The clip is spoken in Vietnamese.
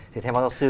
thì theo pháp giáo sư